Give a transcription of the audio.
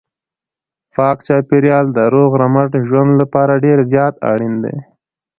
پاک چاپیریال د روغ رمټ ژوند لپاره ډېر زیات اړین دی.